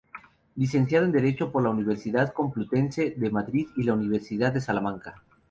Licenciado en Derecho por la Universidad Complutense de Madrid y la Universidad de Salamanca.